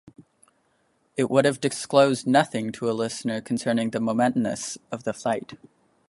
It would have disclosed nothing to a listener concerning the momentousness of the flight.